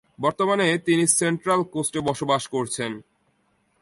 বর্তমানে তিনি সেন্ট্রাল কোস্টে বসবাস করছেন।